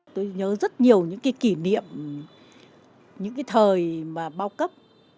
tôi nhớ rất nhiều những cái kỷ niệm những cái thời mà bao cấp